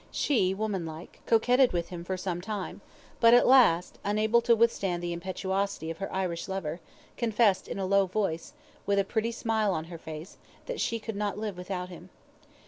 She, woman like, coquetted with him for some time, but at last, unable to withstand the impetuosity of her Irish lover, confessed in a low voice, with a pretty smile on her face, that she could not live without him.